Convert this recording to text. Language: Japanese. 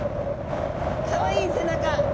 かわいい背中。